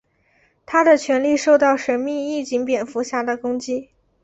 他的权力受到神秘义警蝙蝠侠的攻击。